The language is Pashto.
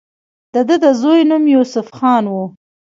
د دۀ د زوي نوم يوسف خان وۀ